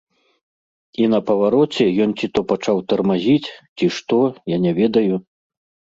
І на павароце ён ці то пачаў тармазіць, ці што, я не ведаю.